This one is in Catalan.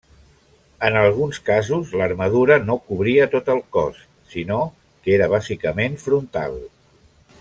En alguns casos l'armadura no cobria tot el cos, sinó que era bàsicament frontal.